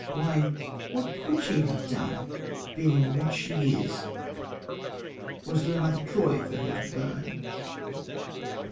Why, what could she have done, being what she is? Was there another Troy for her to burn?